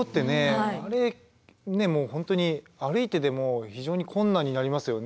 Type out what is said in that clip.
あれねもう本当に歩いてでも非常に困難になりますよね